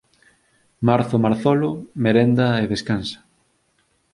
Marzo marzolo, merenda e descansa